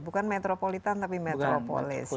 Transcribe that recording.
bukan metropolitan tapi metropolis